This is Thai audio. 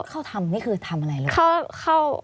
เข้าทำนี่คือทำอะไรหรือเปล่า